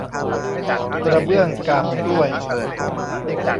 กระเบื้องกาบกล้วย